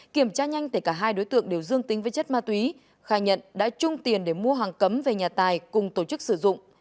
kiểm tra nhanh tể cả hai đối tượng đều dương tính với chất ma túy khai nhận đã chung tiền để mua hàng cấm về nhà tài cùng tổ chức sử dụng